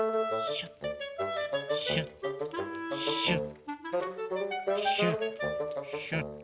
シュッシュッシュッシュッ。